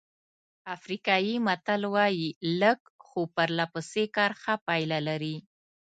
افریقایي متل وایي لږ خو پرله پسې کار ښه پایله لري.